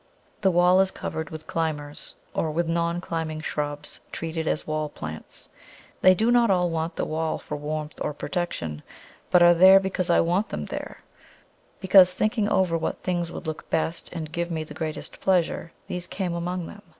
The wall is covered with climbers, or with non climbing shrubs treated as wall plants. They do not all want the wall for warmth or protection, but are there because I want them there; because, thinking over what things would look best and give me the greatest pleasure, these came among them.